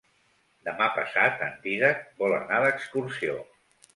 Demà passat en Dídac vol anar d'excursió.